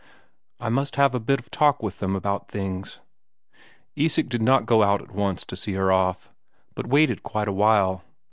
"I must have a bit of talk with them about things." Isak did not go out at once to see her off, but waited quite a while.